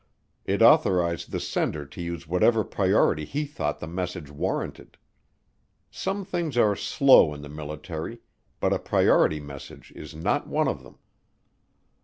It authorized the sender to use whatever priority he thought the message warranted. Some things are slow in the military, but a priority message is not one of them.